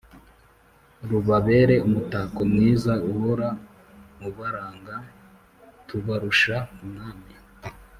Rubabere umutako mwiza uhora ubarangaTubarusha umwami